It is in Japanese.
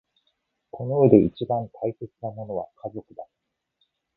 この世で一番大切なものは家族だ。